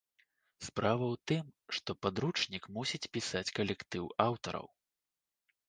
Справа у тым, што падручнік мусіць пісаць калектыў аўтараў.